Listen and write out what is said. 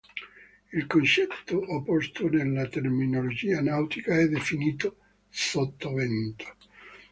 Il concetto opposto, nella terminologia nautica, è definito "sottovento".